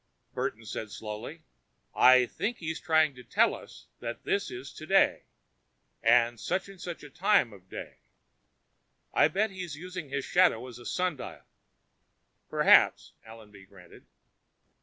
Burton said slowly, "I think he's trying to tell us that this is today. And such and such a time of day. I bet he's using his shadow as a sundial." "Perhaps," Allenby granted.